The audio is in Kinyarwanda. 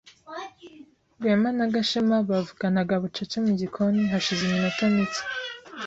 Rwema na Gashema bavuganaga bucece mu gikoni hashize iminota mike.